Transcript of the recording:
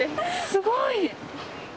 すごい。